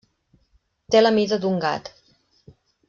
Té la mida d'un gat.